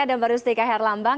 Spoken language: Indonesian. tadi kan ada mbak rusti k erlambang